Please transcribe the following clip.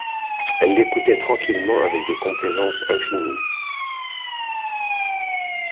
Elle l’écoutait tranquillement, avec des complaisances infinies.